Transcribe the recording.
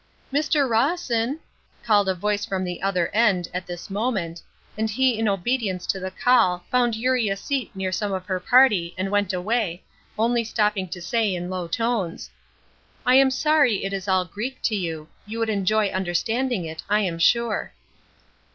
"Mr. Rawson!" called a voice from the other end at this moment, and he in obedience to the call found Eurie a seat near some of her party and went away, only stopping to say, in low tones: "I am sorry it is all 'Greek' to you; you would enjoy understanding it, I am sure."